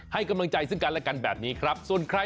ให้กำลังใจซึ่งกันและกันแบบนี้ครับ